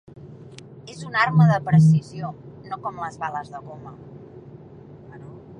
És una arma de precisió, no com les bales de goma.